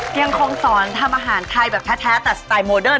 ยังคงสอนทำอาหารไทยแบบแท้แต่สไตล์โมเดิร์